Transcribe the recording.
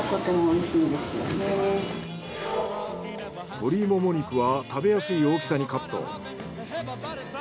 鶏モモ肉は食べやすい大きさにカット。